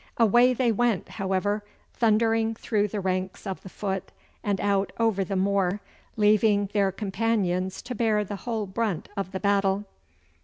Away they went, however, thundering through the ranks of the foot and out over the moor, leaving their companions to bear the whole brunt of the battle.